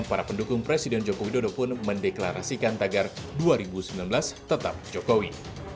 para pendukung presiden joko widodo pun mendeklarasikan tagar dua ribu sembilan belas tetap jokowi